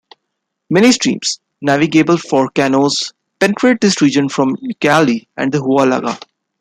Many streams, navigable for canoes, penetrate this region from the Ucayali and the Huallaga.